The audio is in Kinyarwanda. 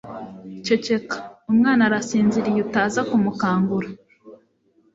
Ceceka. Umwana arasinziriye utaza kumukangura.